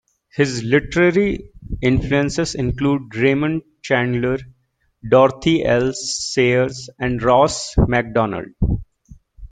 His literary influences include Raymond Chandler, Dorothy L. Sayers, and Ross Macdonald.